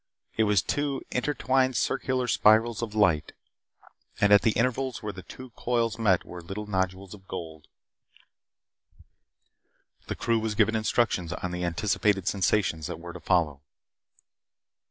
It was two intertwined circular spirals of light, and at the intervals where the two coils met were little nodules of gold. The crew was given instructions on the anticipated sensations that were to follow.